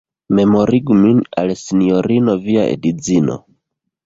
Memorigu min al Sinjorino via edzino!